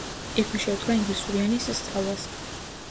იქვე შეუდგა ინგლისური ენის სწავლას.